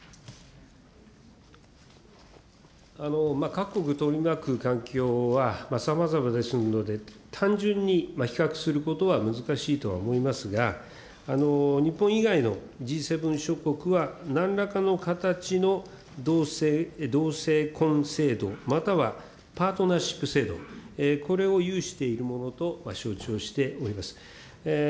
各国取り巻く環境は、さまざまですので、単純に比較することは難しいとは思いますが、日本以外のＧ７諸国はなんらかの形の同性婚制度またはパートナーシップ制度、これを有しているものと承知をしております。